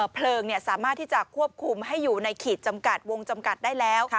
เพลิงสามารถที่จะควบคุมให้อยู่ในขีดจำกัดวงจำกัดได้แล้ว